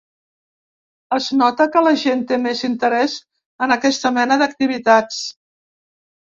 Es nota que la gent té més interès en aquesta mena d’activitats.